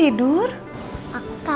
itu bukan nyari kejadian